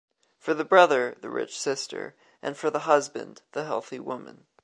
For the brother, the rich sister, and for the husband, the healthy woman.